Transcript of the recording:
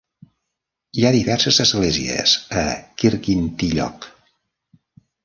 Hi ha diverses esglésies a Kirkintilloch.